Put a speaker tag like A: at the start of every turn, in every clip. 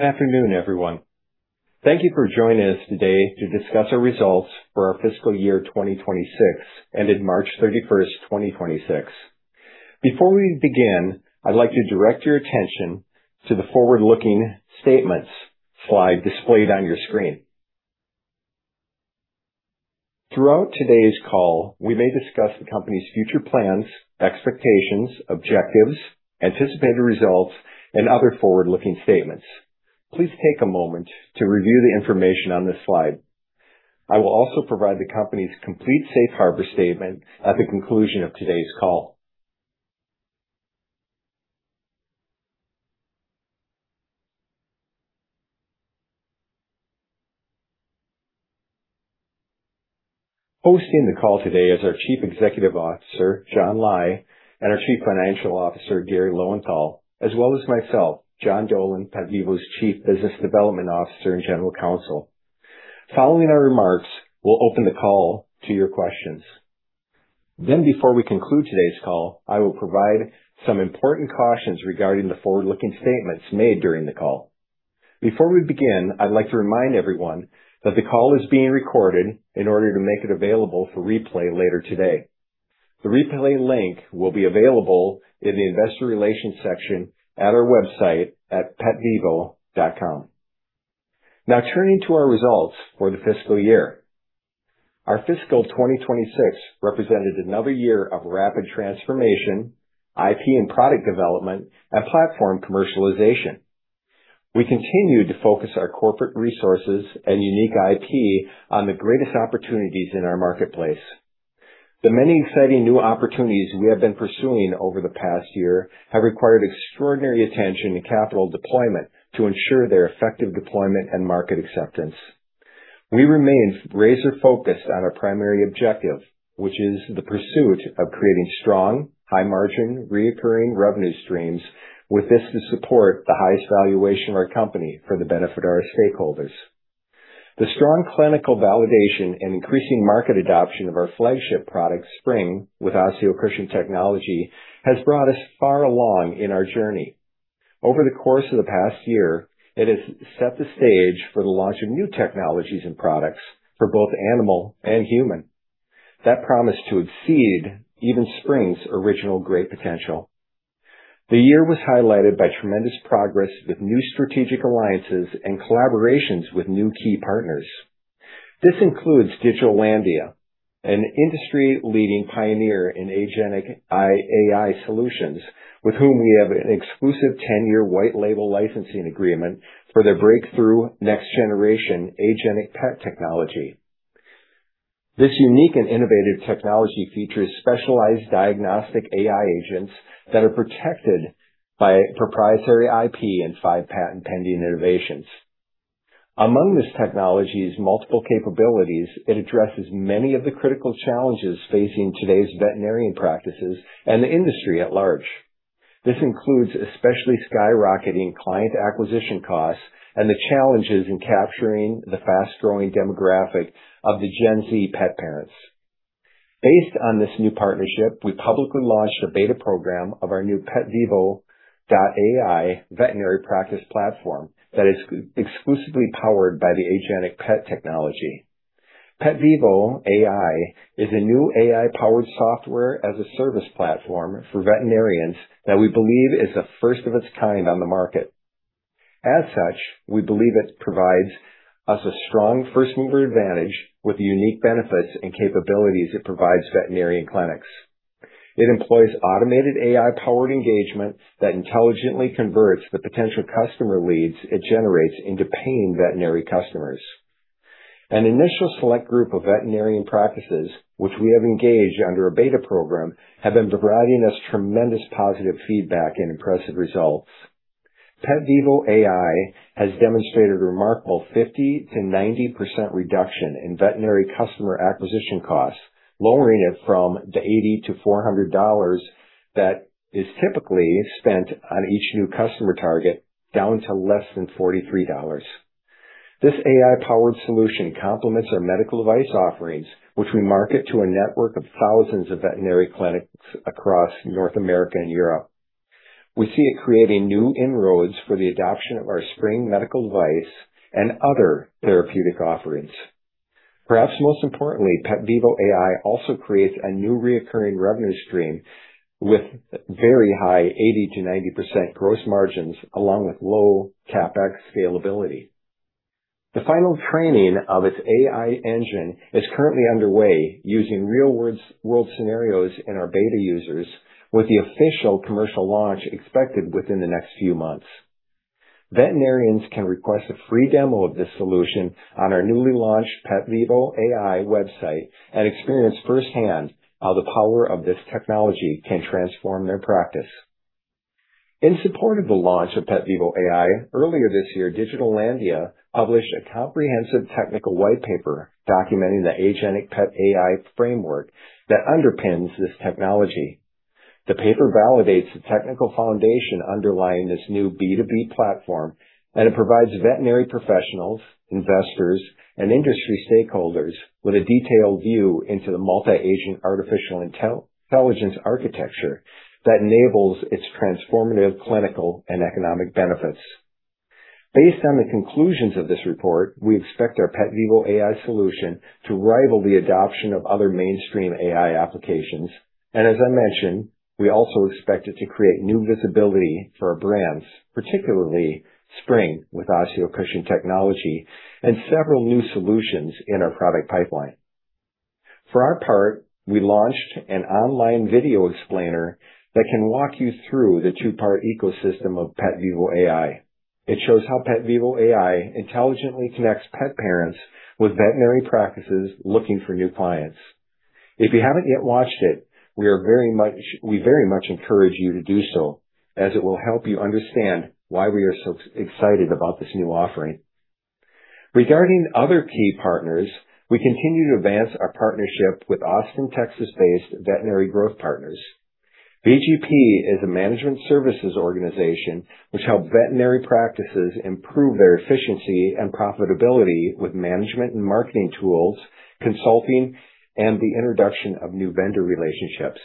A: Afternoon, everyone. Thank you for joining us today to discuss our results for our fiscal year 2026, ended March 31st, 2026. Before we begin, I'd like to direct your attention to the forward-looking statements slide displayed on your screen. Throughout today's call, we may discuss the company's future plans, expectations, objectives, anticipated results, and other forward-looking statements. Please take a moment to review the information on this slide. I will also provide the company's complete safe harbor statement at the conclusion of today's call. Hosting the call today is our Chief Executive Officer, John Lai, and our Chief Financial Officer, Garry Lowenthal, as well as myself, John Dolan, PetVivo's Chief Business Development Officer and General Counsel. Following our remarks, we'll open the call to your questions. Then before we conclude today's call, I will provide some important cautions regarding the forward-looking statements made during the call. Before we begin, I'd like to remind everyone that the call is being recorded in order to make it available for replay later today. The replay link will be available in the investor relations section at our website at petvivo.com. Now, turning to our results for the fiscal year. Our fiscal 2026 represented another year of rapid transformation, IP and product development, and platform commercialization. We continued to focus our corporate resources and unique IP on the greatest opportunities in our marketplace. The many exciting new opportunities we have been pursuing over the past year have required extraordinary attention to capital deployment to ensure their effective deployment and market acceptance. We remain razor-focused on our primary objective, which is the pursuit of creating strong, high-margin, recurring revenue streams with this to support the highest valuation of our company for the benefit of our stakeholders. The strong clinical validation and increasing market adoption of our flagship product, Spryng, with OsteoCushion technology, has brought us far along in our journey. Over the course of the past year, it has set the stage for the launch of new technologies and products for both animal and human that promise to exceed even Spryng's original great potential. The year was highlighted by tremendous progress with new strategic alliances and collaborations with new key partners. This includes Digital Landia, an industry-leading pioneer in agentic AI solutions, with whom we have an exclusive 10-year white label licensing agreement for their breakthrough next-generation AgenticPet technology. This unique and innovative technology features specialized diagnostic AI agents that are protected by proprietary IP and five patent-pending innovations. Among this technology's multiple capabilities, it addresses many of the critical challenges facing today's veterinarian practices and the industry at large. This includes especially skyrocketing client acquisition costs and the challenges in capturing the fast-growing demographic of the Gen Z pet parents. Based on this new partnership, we publicly launched a beta program of our new PetVivo.ai veterinary practice platform that is exclusively powered by the AgenticPet technology. PetVivo.ai is a new AI-powered software-as-a-service platform for veterinarians that we believe is the first of its kind on the market. As such, we believe it provides us a strong first-mover advantage with the unique benefits and capabilities it provides veterinarian clinics. It employs automated AI-powered engagement that intelligently converts the potential customer leads it generates into paying veterinary customers. An initial select group of veterinarian practices, which we have engaged under a beta program, have been providing us tremendous positive feedback and impressive results. PetVivo.ai has demonstrated a remarkable 50%-90% reduction in veterinary customer acquisition costs, lowering it from the $80-$400 that is typically spent on each new customer target down to less than $43. This AI-powered solution complements our medical device offerings, which we market to a network of thousands of veterinary clinics across North America and Europe. We see it creating new inroads for the adoption of our Spryng medical device and other therapeutic offerings. Perhaps most importantly, PetVivo.ai also creates a new recurring revenue stream with very high 80%-90% gross margins along with low CapEx scalability. The final training of its AI engine is currently underway using real-world scenarios in our beta users, with the official commercial launch expected within the next few months. Veterinarians can request a free demo of this solution on our newly launched PetVivo.ai website and experience firsthand how the power of this technology can transform their practice. In support of the launch of PetVivo.ai, earlier this year, Digital Landia published a comprehensive technical whitepaper documenting the AgenticPet AI framework that underpins this technology. The paper validates the technical foundation underlying this new B2B platform, and it provides veterinary professionals, investors, and industry stakeholders with a detailed view into the multi-agent artificial intelligence architecture that enables its transformative clinical and economic benefits. Based on the conclusions of this report, we expect our PetVivo.ai solution to rival the adoption of other mainstream AI applications, and as I mentioned, we also expect it to create new visibility for our brands, particularly Spryng with OsteoCushion technology and several new solutions in our product pipeline. For our part, we launched an online video explainer that can walk you through the two-part ecosystem of PetVivo.ai. It shows how PetVivo.ai intelligently connects pet parents with veterinary practices looking for new clients. If you haven't yet watched it, we very much encourage you to do so, as it will help you understand why we are so excited about this new offering. Regarding other key partners, we continue to advance our partnership with Austin, Texas-based Veterinary Growth Partners. VGP is a management services organization which helps veterinary practices improve their efficiency and profitability with management and marketing tools, consulting, and the introduction of new vendor relationships.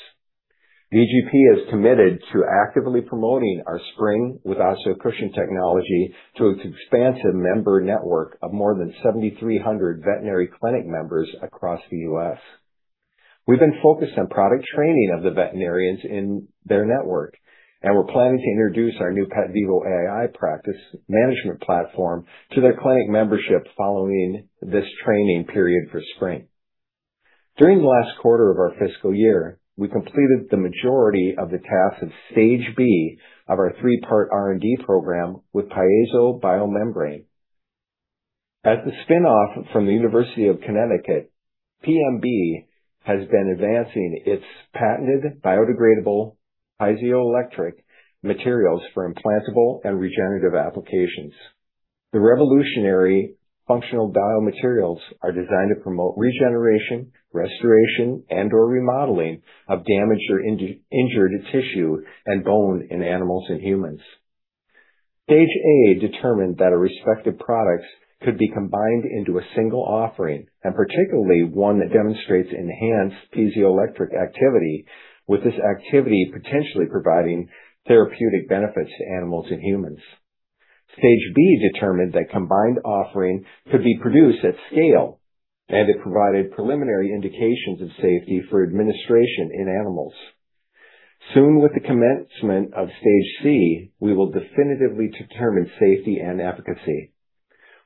A: VGP is committed to actively promoting our Spryng with OsteoCushion technology to its expansive member network of more than 7,300 veterinary clinic members across the U.S. We've been focused on product training of the veterinarians in their network, and we're planning to introduce our new PetVivo.ai practice management platform to their clinic membership following this training period for Spryng. During the last quarter of our fiscal year, we completed the majority of the tasks of Stage B of our three-part R&D program with PiezoBioMembrane. As a spin-off from the University of Connecticut, PBM has been advancing its patented biodegradable piezoelectric materials for implantable and regenerative applications. The revolutionary functional biomaterials are designed to promote regeneration, restoration, and/or remodeling of damaged or injured tissue and bone in animals and humans. Stage A determined that our respective products could be combined into a single offering, and particularly one that demonstrates enhanced piezoelectric activity, with this activity potentially providing therapeutic benefits to animals and humans. Stage B determined that the combined offering could be produced at scale, and it provided preliminary indications of safety for administration in animals. Soon, with the commencement of Stage C, we will definitively determine safety and efficacy.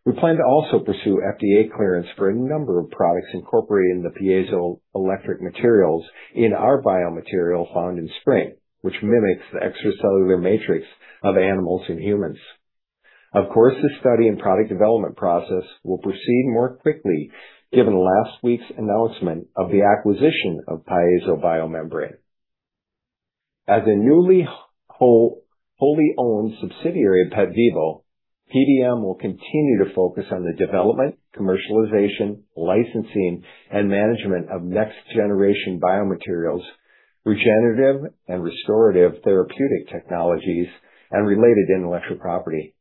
A: We plan to also pursue FDA clearance for a number of products incorporating the piezoelectric materials in our biomaterial found in Spryng, which mimics the extracellular matrix of animals and humans. Of course, this study and product development process will proceed more quickly given last week's announcement of the acquisition of PiezoBioMembrane. As a newly wholly-owned subsidiary of PetVivo, PBM will continue to focus on the development, commercialization, licensing, and management of next-generation biomaterials, regenerative and restorative therapeutic technologies, and related intellectual property.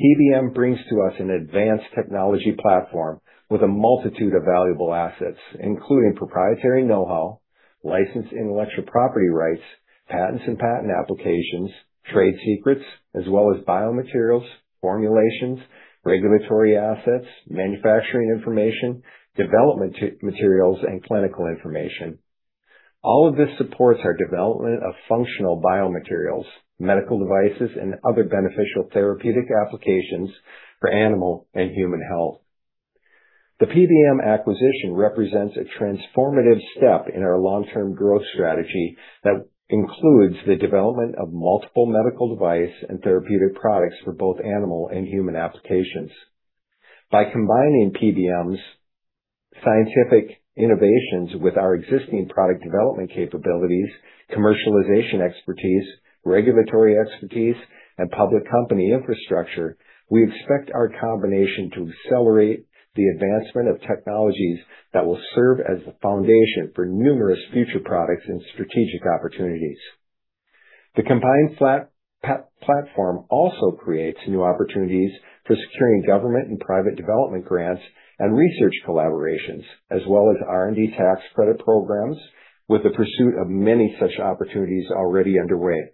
A: PBM brings to us an advanced technology platform with a multitude of valuable assets, including proprietary know-how, licensed intellectual property rights, patents and patent applications, trade secrets, as well as biomaterials, formulations, regulatory assets, manufacturing information, development materials, and clinical information. All of this supports our development of functional biomaterials, medical devices, and other beneficial therapeutic applications for animal and human health. The PBM acquisition represents a transformative step in our long-term growth strategy that includes the development of multiple medical device and therapeutic products for both animal and human applications. By combining PBM's scientific innovations with our existing product development capabilities, commercialization expertise, regulatory expertise, and public company infrastructure, we expect our combination to accelerate the advancement of technologies that will serve as the foundation for numerous future products and strategic opportunities. The combined platform also creates new opportunities for securing government and private development grants and research collaborations, as well as R&D tax credit programs with the pursuit of many such opportunities already underway.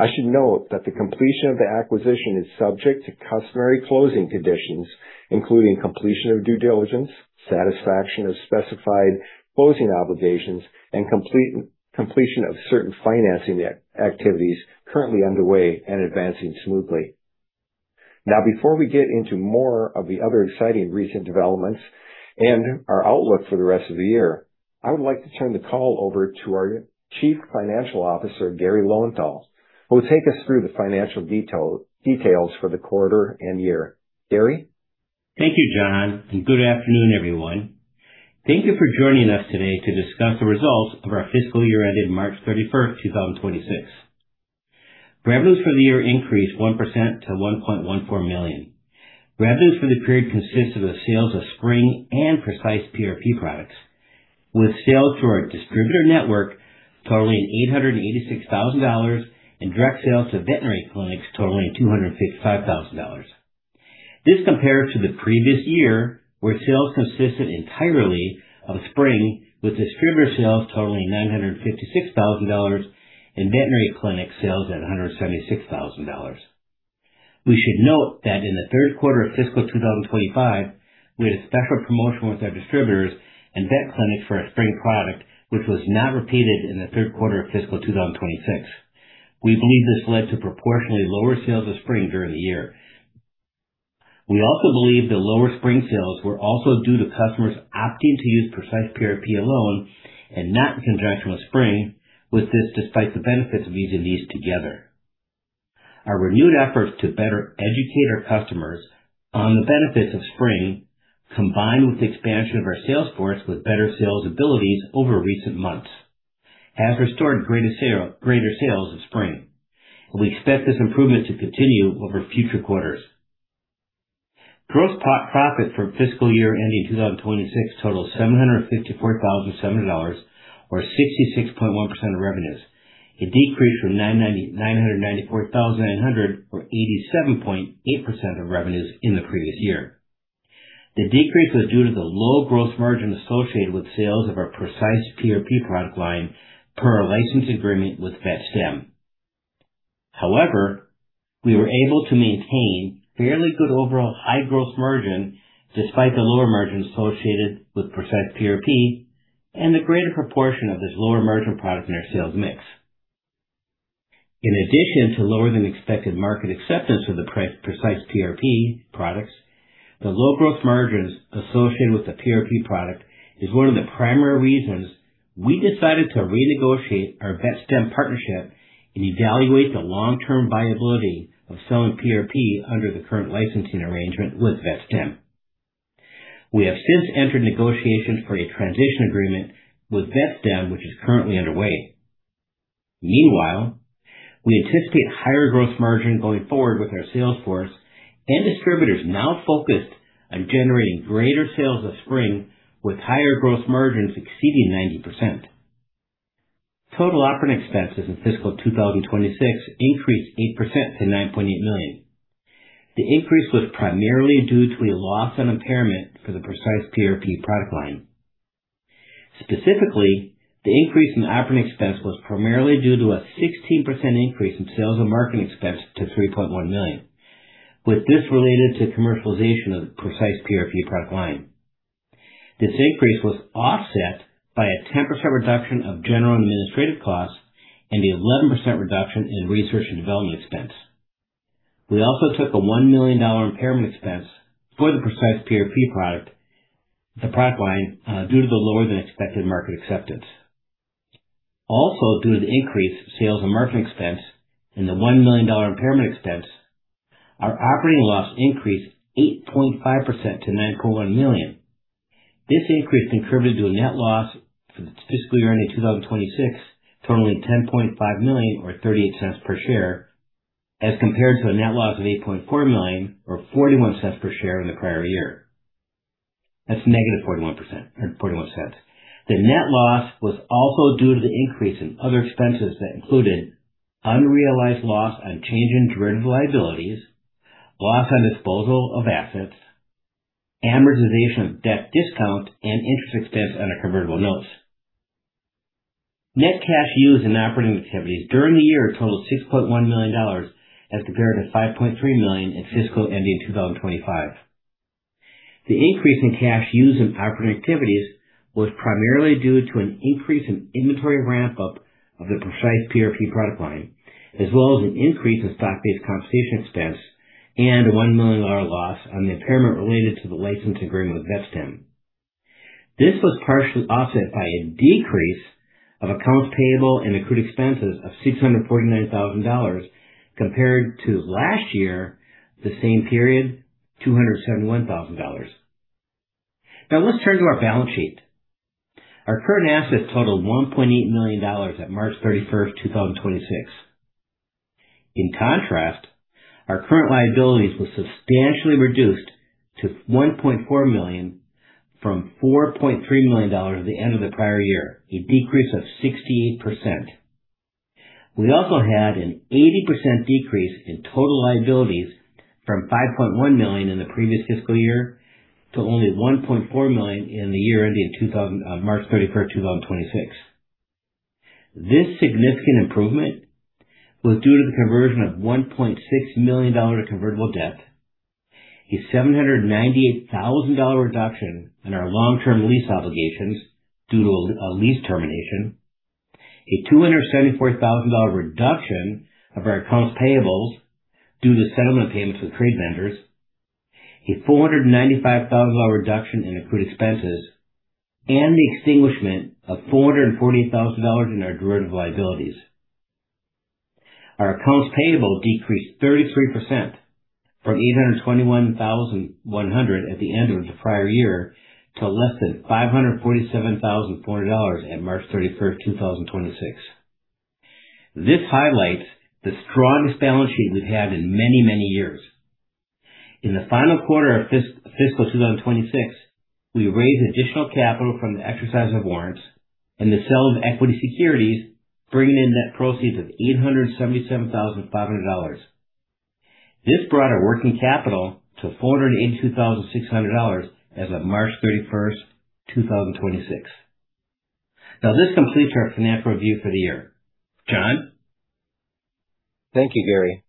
A: I should note that the completion of the acquisition is subject to customary closing conditions, including completion of due diligence, satisfaction of specified closing obligations, and completion of certain financing activities currently underway and advancing smoothly. Now, before we get into more of the other exciting recent developments and our outlook for the rest of the year, I would like to turn the call over to our Chief Financial Officer, Garry Lowenthal, who will take us through the financial details for the quarter and year. Garry?
B: Thank you, John, and good afternoon, everyone. Thank you for joining us today to discuss the results of our fiscal year ended March 31st, 2026. Revenues for the year increased 1% to $1.14 million. Revenues for the period consisted of sales of Spryng and PrecisePRP products, with sales through our distributor network totaling $886,000 and direct sales to veterinary clinics totaling $255,000. This compares to the previous year, where sales consisted entirely of Spryng, with distributor sales totaling $956,000 and veterinary clinic sales at $176,000. We should note that in the third quarter of fiscal 2025, we had a special promotion with our distributors and vet clinics for our Spryng product, which was not repeated in the third quarter of fiscal 2026. We believe this led to proportionally lower sales of Spryng during the year. We also believe that lower Spryng sales were also due to customers opting to use PrecisePRP alone and not in conjunction with Spryng, with this despite the benefits of using these together. Our renewed efforts to better educate our customers on the benefits of Spryng, combined with the expansion of our sales force with better sales abilities over recent months, has restored greater sales of Spryng. We expect this improvement to continue over future quarters. Gross profit for fiscal year ending 2026 totaled $754,700, or 66.1% of revenues, a decrease from $994,900 or 87.8% of revenues in the previous year. The decrease was due to the low gross margin associated with sales of our PrecisePRP product line per our license agreement with VetStem. However, we were able to maintain fairly good overall high gross margin despite the lower margin associated with PrecisePRP and the greater proportion of this lower-margin product in our sales mix. In addition to lower-than-expected market acceptance for the PrecisePRP products, the low gross margins associated with the PRP product is one of the primary reasons we decided to renegotiate our VetStem partnership and evaluate the long-term viability of selling PRP under the current licensing arrangement with VetStem. We have since entered negotiations for a transition agreement with VetStem, which is currently underway. Meanwhile, we anticipate higher gross margin going forward with our sales force and distributors now focused on generating greater sales of Spryng with higher gross margins exceeding 90%. Total operating expenses in fiscal 2026 increased 8% to $9.8 million. The increase was primarily due to a loss on impairment for the PrecisePRP product line. Specifically, the increase in operating expense was primarily due to a 16% increase in sales and marketing expense to $3.1 million, with this related to commercialization of the PrecisePRP product line. This increase was offset by a 10% reduction of general and administrative costs and an 11% reduction in research and development expense. We also took a $1 million impairment expense for the PrecisePRP product line due to the lower-than-expected market acceptance. Also, due to the increased sales and marketing expense and the $1 million impairment expense, our operating loss increased 8.5% to $9.1 million. This increase contributed to a net loss for the fiscal year ending 2026 totaling $10.5 million or $0.38 per share as compared to a net loss of $8.4 million or $0.41 per share in the prior year. That is -$0.41. The net loss was also due to the increase in other expenses that included unrealized loss on change in derivative liabilities, loss on disposal of assets, amortization of debt discount, and interest expense on our convertible notes. Net cash used in operating activities during the year totaled $6.1 million, as compared to $5.3 million in fiscal year ending 2025. The increase in cash used in operating activities was primarily due to an increase in inventory ramp-up of the PrecisePRP product line, as well as an increase in stock-based compensation expense and a $1 million loss on the impairment related to the license agreement with VetStem. This was partially offset by a decrease of accounts payable and accrued expenses of $649,000, compared to last year, the same period, $271,000. Now, let's turn to our balance sheet. Our current assets totaled $1.8 million at March 31st, 2026. In contrast, our current liabilities were substantially reduced to $1.4 million from $4.3 million at the end of the prior year, a decrease of 68%. We also had an 80% decrease in total liabilities from $5.1 million in the previous fiscal year to only $1.4 million in the year ending March 31st, 2026. This significant improvement was due to the conversion of $1.6 million of convertible debt, a $798,000 reduction in our long-term lease obligations due to a lease termination, a $274,000 reduction of our accounts payables due to settlement payments with trade vendors, a $495,000 reduction in accrued expenses, and the extinguishment of $440,000 in our derivative liabilities. Our accounts payable decreased 33% from $821,100 at the end of the prior year to less than $547,400 at March 31st, 2026. This highlights the strongest balance sheet we've had in many, many years. In the final quarter of fiscal 2026, we raised additional capital from the exercise of warrants and the sale of equity securities bringing in net proceeds of $877,500. This brought our working capital to $482,600 as of March 31st, 2026. Now, this completes our financial review for the year. John?
A: Thank you, Garry.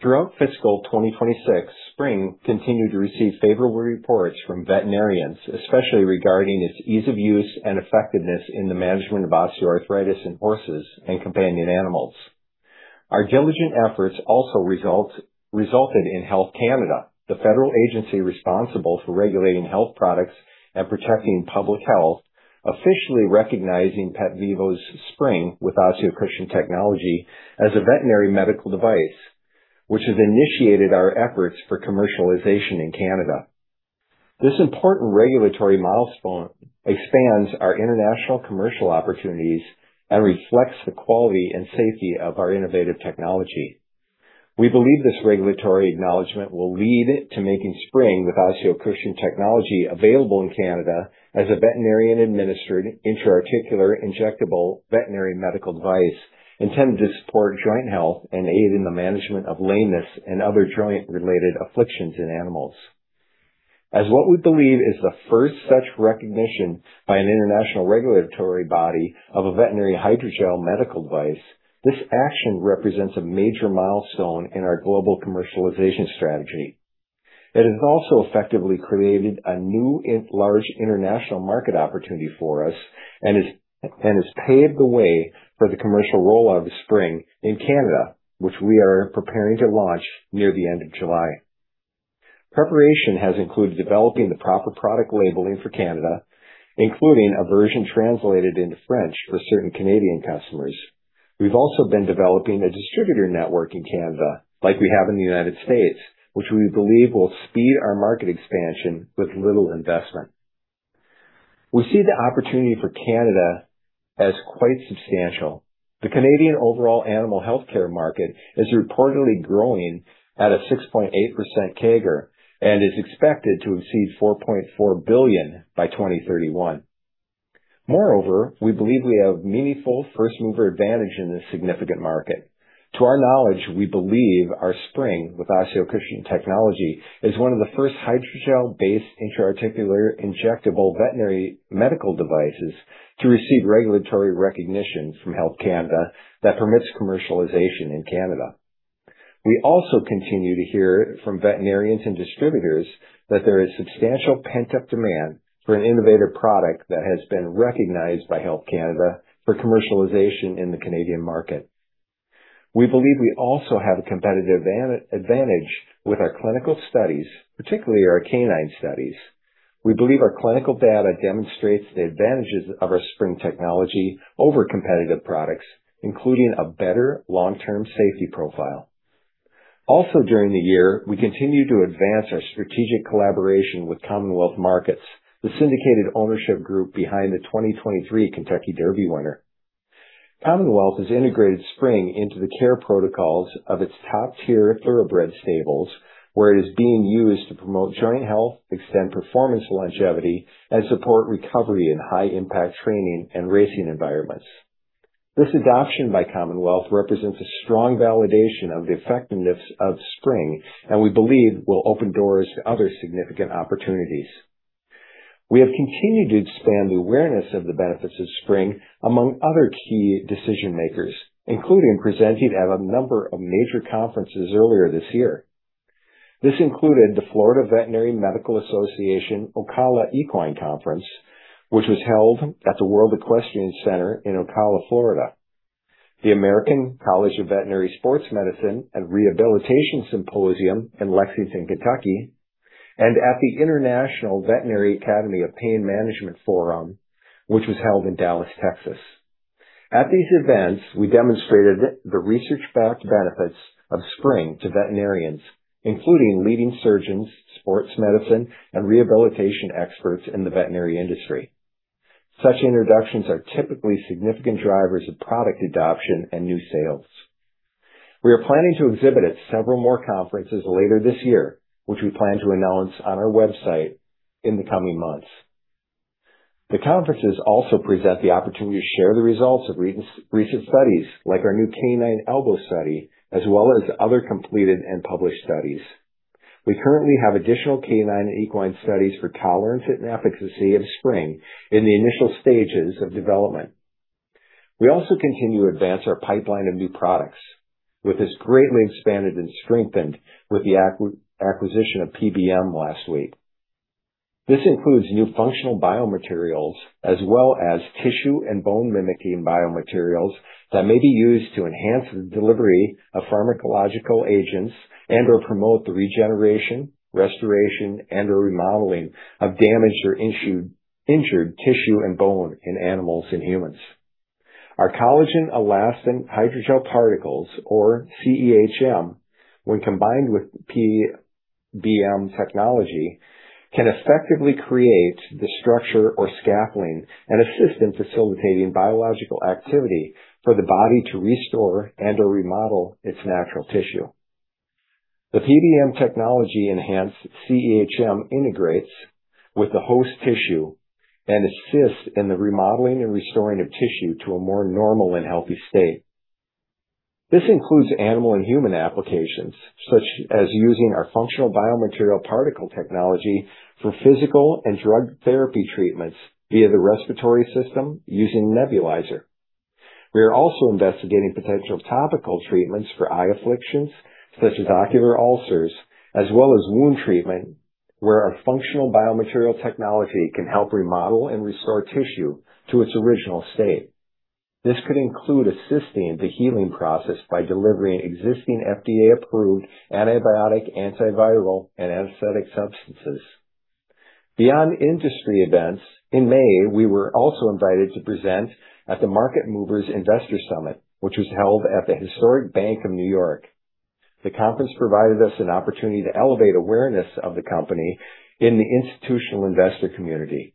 A: Throughout fiscal 2026, Spryng continued to receive favorable reports from veterinarians, especially regarding its ease of use and effectiveness in the management of osteoarthritis in horses and companion animals. Our diligent efforts also resulted in Health Canada, the federal agency responsible for regulating health products and protecting public health, officially recognizing PetVivo's Spryng with OsteoCushion technology as a veterinary medical device, which has initiated our efforts for commercialization in Canada. This important regulatory milestone expands our international commercial opportunities and reflects the quality and safety of our innovative technology. We believe this regulatory acknowledgment will lead to making Spryng with OsteoCushion technology available in Canada as a veterinarian-administered, intra-articular, injectable veterinary medical device intended to support joint health and aid in the management of lameness and other joint-related afflictions in animals. As what we believe is the first such recognition by an international regulatory body of a veterinary hydrogel medical device, this action represents a major milestone in our global commercialization strategy. It has also effectively created a new large international market opportunity for us and has paved the way for the commercial rollout of Spryng in Canada, which we are preparing to launch near the end of July. Preparation has included developing the proper product labeling for Canada, including a version translated into French for certain Canadian customers. We've also been developing a distributor network in Canada, like we have in the United States, which we believe will speed our market expansion with little investment. We see the opportunity for Canada as quite substantial. The Canadian overall animal healthcare market is reportedly growing at a 6.8% CAGR and is expected to exceed $4.4 billion by 2031. Moreover, we believe we have meaningful first-mover advantage in this significant market. To our knowledge, we believe our Spryng with OsteoCushion technology is one of the first hydrogel-based intra-articular injectable veterinary medical devices to receive regulatory recognition from Health Canada that permits commercialization in Canada. We also continue to hear from veterinarians and distributors that there is substantial pent-up demand for an innovative product that has been recognized by Health Canada for commercialization in the Canadian market. We believe we also have a competitive advantage with our clinical studies, particularly our canine studies. We believe our clinical data demonstrates the advantages of our Spryng technology over competitive products, including a better long-term safety profile. Also during the year, we continued to advance our strategic collaboration with Commonwealth Markets, the syndicated ownership group behind the 2023 Kentucky Derby winner. Commonwealth has integrated Spryng into the care protocols of its top-tier thoroughbred stables, where it is being used to promote joint health, extend performance longevity, and support recovery in high-impact training and racing environments. This adoption by Commonwealth represents a strong validation of the effectiveness of Spryng and we believe will open doors to other significant opportunities. We have continued to expand the awareness of the benefits of Spryng among other key decision-makers, including presenting at a number of major conferences earlier this year. This included the Florida Veterinary Medical Association Ocala Equine Conference, which was held at the World Equestrian Center in Ocala, Florida; the American College of Veterinary Sports Medicine and Rehabilitation Symposium in Lexington, Kentucky; and at the International Veterinary Academy of Pain Management Forum, which was held in Dallas, Texas. At these events, we demonstrated the research-backed benefits of Spryng to veterinarians, including leading surgeons, sports medicine, and rehabilitation experts in the veterinary industry. Such introductions are typically significant drivers of product adoption and new sales. We are planning to exhibit at several more conferences later this year, which we plan to announce on our website in the coming months. The conferences also present the opportunity to share the results of recent studies like our new canine elbow study, as well as other completed and published studies. We currently have additional canine and equine studies for tolerance and efficacy of Spryng in the initial stages of development. We also continue to advance our pipeline of new products, which has greatly expanded and strengthened with the acquisition of PBM last week. This includes new functional biomaterials as well as tissue and bone-mimicking biomaterials that may be used to enhance the delivery of pharmacological agents and/or promote the regeneration, restoration, and/or remodeling of damaged or injured tissue and bone in animals and humans. Our collagen-elastin hydrogel particles, or CEHM, when combined with PBM technology, can effectively create the structure or scaffolding and assist in facilitating biological activity for the body to restore and/or remodel its natural tissue. The PBM technology-enhanced CEHM integrates with the host tissue and assists in the remodeling and restoring of tissue to a more normal and healthy state. This includes animal and human applications, such as using our functional biomaterial particle technology for physical and drug therapy treatments via the respiratory system using nebulizer. We are also investigating potential topical treatments for eye afflictions such as ocular ulcers, as well as wound treatment, where our functional biomaterial technology can help remodel and restore tissue to its original state. This could include assisting the healing process by delivering existing FDA-approved antibiotic, antiviral, and anesthetic substances. Beyond industry events, in May, we were also invited to present at the Market Movers Investor Summit, which was held at the historic Bank of New York. The conference provided us an opportunity to elevate awareness of the company in the institutional investor community.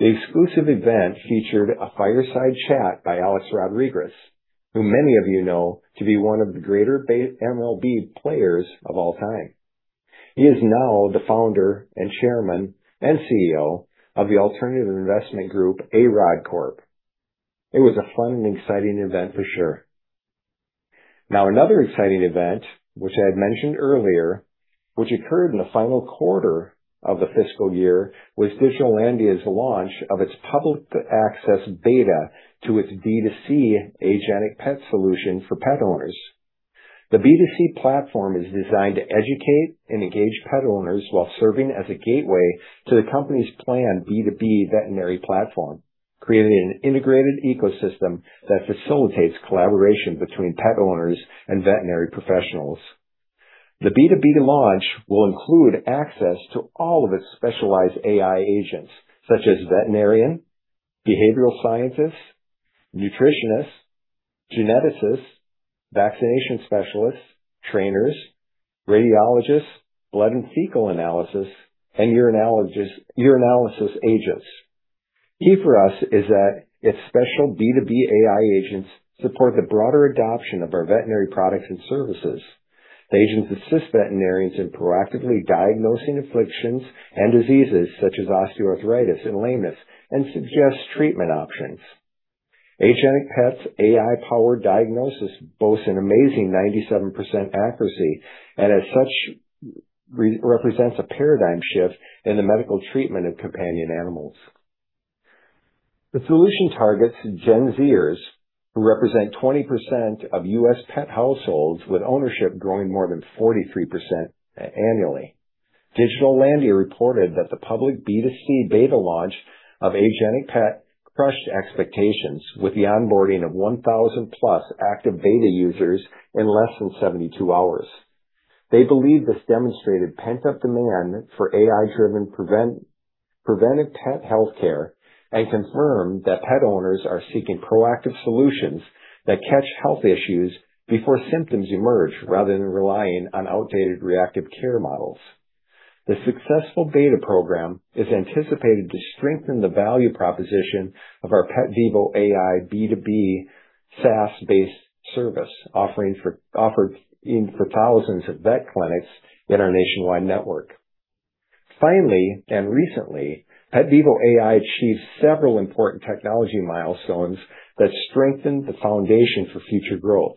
A: The exclusive event featured a fireside chat by Alex Rodriguez, who many of you know to be one of the greater MLB players of all time. He is now the Founder, and Chairman, and CEO of the alternative investment group, A-Rod Corp. It was a fun and exciting event for sure. Now, another exciting event, which I had mentioned earlier, which occurred in the final quarter of the fiscal year, was Digital Landia's launch of its public access beta to its D2C AgenticPet solution for pet owners. The B2C platform is designed to educate and engage pet owners while serving as a gateway to the company's planned B2B veterinary platform, creating an integrated ecosystem that facilitates collaboration between pet owners and veterinary professionals. The B2B launch will include access to all of its specialized AI agents, such as veterinarian, behavioral scientists, nutritionists, geneticists, vaccination specialists, trainers, radiologists, blood and fecal analysis, and urinalysis agents. Key for us is that its special B2B AI agents support the broader adoption of our veterinary products and services. The agents assist veterinarians in proactively diagnosing afflictions and diseases such as osteoarthritis and lameness and suggest treatment options. AgenticPet's AI-powered diagnosis boasts an amazing 97% accuracy, and as such, represents a paradigm shift in the medical treatment of companion animals. The solution targets Gen Z-ers who represent 20% of U.S. pet households, with ownership growing more than 43% annually. Digital Landia reported that the public B2C beta launch of AgenticPet crushed expectations with the onboarding of 1,000+ active beta users in less than 72 hours. They believe this demonstrated pent-up demand for AI-driven preventive pet healthcare and confirmed that pet owners are seeking proactive solutions that catch health issues before symptoms emerge, rather than relying on outdated reactive care models. The successful beta program is anticipated to strengthen the value proposition of our PetVivo.ai B2B SaaS-based service, offered for thousands of vet clinics in our nationwide network. Finally, and recently, PetVivo.ai achieved several important technology milestones that strengthen the foundation for future growth.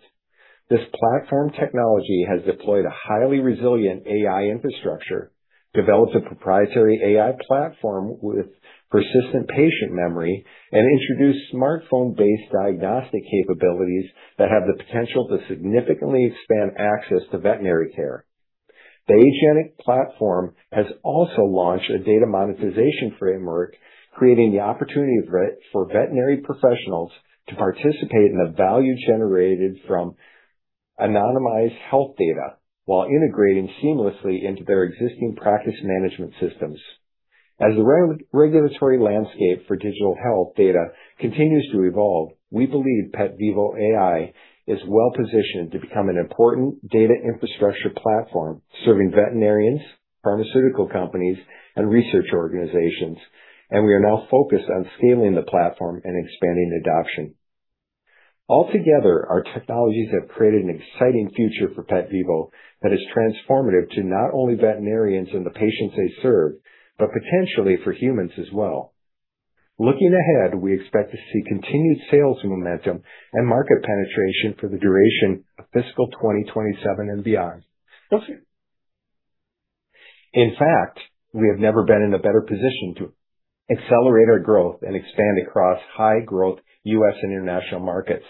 A: This platform technology has deployed a highly resilient AI infrastructure, developed a proprietary AI platform with persistent patient memory, and introduced smartphone-based diagnostic capabilities that have the potential to significantly expand access to veterinary care. The agentic platform has also launched a data monetization framework, creating the opportunity for veterinary professionals to participate in the value generated from anonymized health data while integrating seamlessly into their existing practice management systems. As the regulatory landscape for digital health data continues to evolve, we believe PetVivo.ai is well-positioned to become an important data infrastructure platform serving veterinarians, pharmaceutical companies, and research organizations, and we are now focused on scaling the platform and expanding adoption. Altogether, our technologies have created an exciting future for PetVivo that is transformative to not only veterinarians and the patients they serve, but potentially for humans as well. Looking ahead, we expect to see continued sales momentum and market penetration for the duration of fiscal 2027 and beyond. In fact, we have never been in a better position to accelerate our growth and expand across high-growth U.S. and international markets.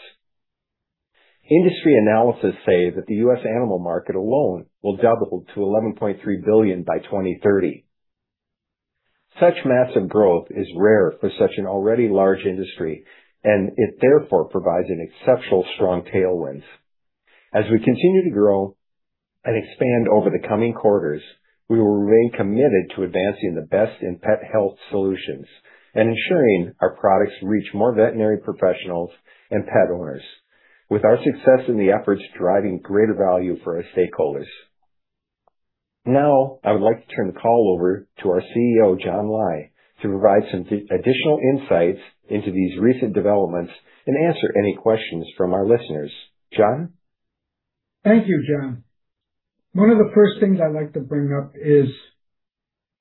A: Industry analyses say that the U.S. animal market alone will double to $11.3 billion by 2030. Such massive growth is rare for such an already large industry, and it therefore provides an exceptional strong tailwind. As we continue to grow and expand over the coming quarters, we will remain committed to advancing the best in pet health solutions and ensuring our products reach more veterinary professionals and pet owners, with our success in the efforts driving greater value for our stakeholders. Now, I would like to turn the call over to our CEO, John Lai, to provide some additional insights into these recent developments and answer any questions from our listeners. John?
C: Thank you, John. One of the first things I'd like to bring up is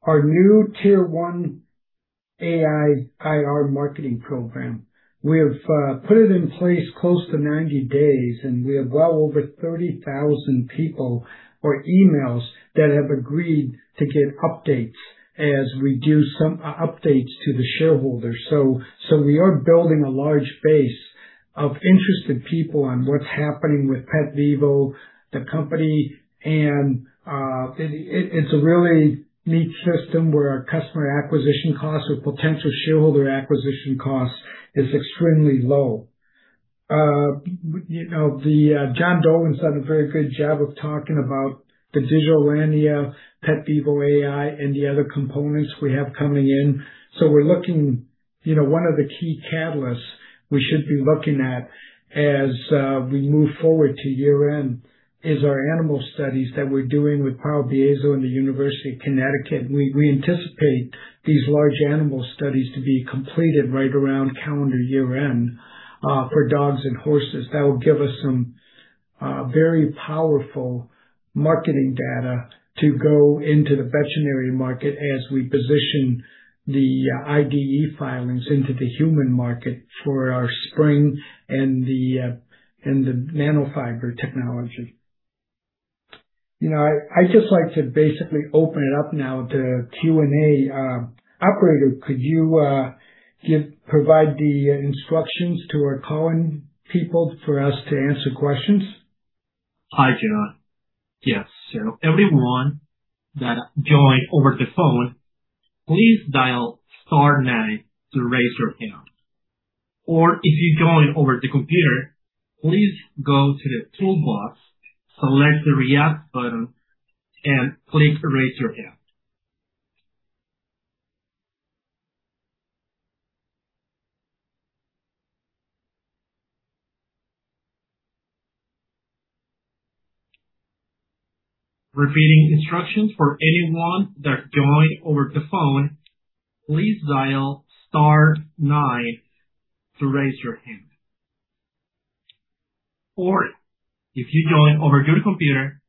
C: our new Tier 1 AI IR marketing program. We have put it in place close to 90 days, and we have well over 30,000 people or emails that have agreed to get updates as we do some updates to the shareholders, so we are building a large base of interested people on what's happening with PetVivo, the company, and it's a really neat system where our customer acquisition costs or potential shareholder acquisition costs is extremely low. John Dolan's done a very good job of talking about the Digital Landia, PetVivo.ai, and the other components we have coming in. One of the key catalysts we should be looking at as we move forward to year-end is our animal studies that we're doing with Powell Diazo and the University of Connecticut. We anticipate these large animal studies to be completed right around calendar year-end for dogs and horses. That will give us some very powerful marketing data to go into the veterinarian market as we position the IDE filings into the human market for our Spryng and the nanofiber technology. I'd just like to basically open it up now to Q&A. Operator, could you provide the instructions to our calling people for us to answer questions?
D: Hi, John. Yes. Everyone that joined over the phone, please dial star nine to raise your hand. Or if you joined over the computer, please go to the toolbox, select the react button, and click raise your hand. Repeating instructions for anyone that joined over the phone, please dial star nine to raise your hand. Or if you joined over the computer,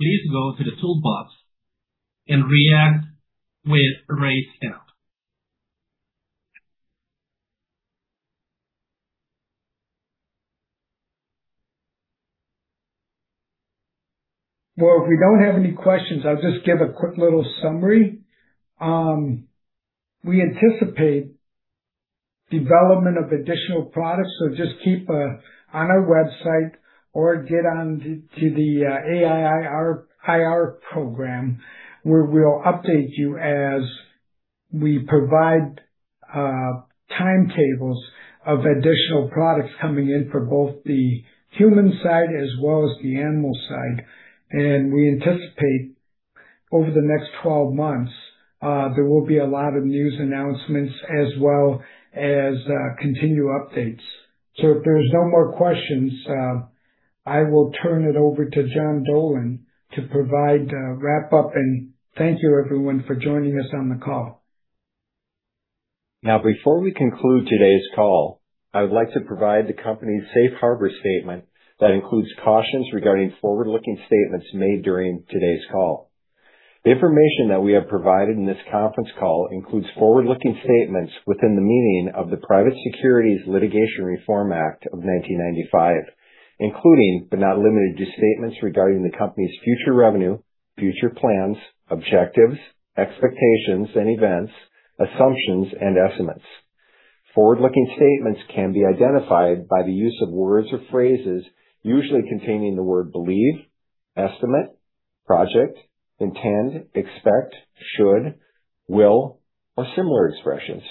D: please go to the toolbox and react with raise hand
C: Well, if we don't have any questions, I'll just give a quick little summary. We anticipate development of additional products, so just keep on our website or get on to the AI IR program, where we'll update you as we provide timetables of additional products coming in for both the human side as well as the animal side. We anticipate over the next 12 months, there will be a lot of news announcements as well as continued updates. If there's no more questions, I will turn it over to John Dolan to provide a wrap up, and thank you everyone for joining us on the call.
A: Now, before we conclude today's call, I would like to provide the company's safe harbor statement that includes cautions regarding forward-looking statements made during today's call. The information that we have provided in this conference call includes forward-looking statements within the meaning of the Private Securities Litigation Reform Act of 1995, including, but not limited to, statements regarding the company's future revenue, future plans, objectives, expectations and events, assumptions and estimates. Forward-looking statements can be identified by the use of words or phrases usually containing the word believe, estimate, project, intend, expect, should, will, or similar expressions.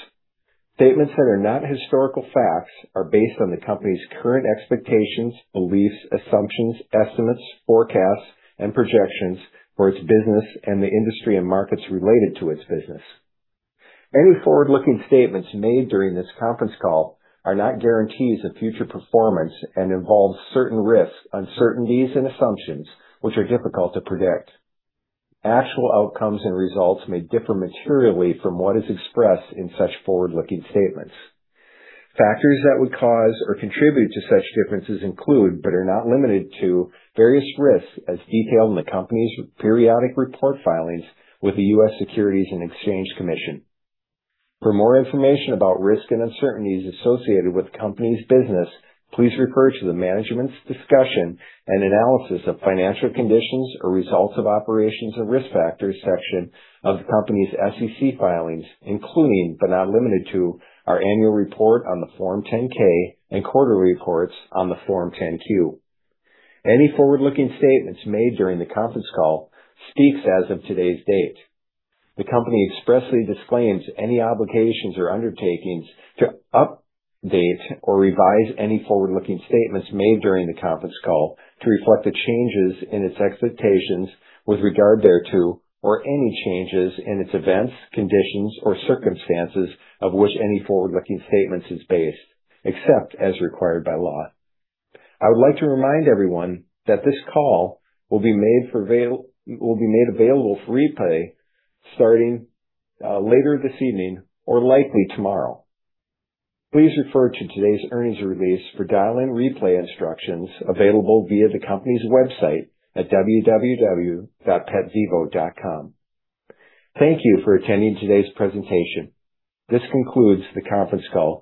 A: Statements that are not historical facts are based on the company's current expectations, beliefs, assumptions, estimates, forecasts, and projections for its business and the industry and markets related to its business. Any forward-looking statements made during this conference call are not guarantees of future performance and involve certain risks, uncertainties, and assumptions which are difficult to predict. Actual outcomes and results may differ materially from what is expressed in such forward-looking statements. Factors that would cause or contribute to such differences include, but are not limited to, various risks as detailed in the company's periodic report filings with the U.S. Securities and Exchange Commission. For more information about risks and uncertainties associated with the company's business, please refer to the management's discussion and analysis of financial conditions or results of operations and risk factors section of the company's SEC filings, including, but not limited to our annual report on the Form 10-K and quarterly reports on the Form 10-Q. Any forward-looking statements made during the conference call speaks as of today's date. The company expressly disclaims any obligations or undertakings to update or revise any forward-looking statements made during the conference call to reflect the changes in its expectations with regard thereto or any changes in its events, conditions, or circumstances of which any forward-looking statements is based, except as required by law. I would like to remind everyone that this call will be made available for replay starting later this evening or likely tomorrow. Please refer to today's earnings release for dial-in replay instructions available via the company's website at www.petvivo.com. Thank you for attending today's presentation. This concludes the conference call.